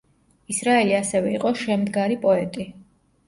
ისრაელი ასევე იყო შემდგარი პოეტი.